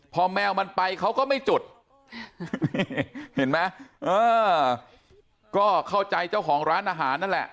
พอแมวมันไปเขาก็ไม่จุดเห็นไหมเออก็เข้าใจเจ้าของร้านอาหารนั่นแหละ